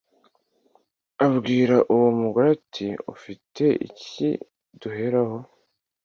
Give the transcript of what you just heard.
Abwira uwo mugore ati ufite iki duheraho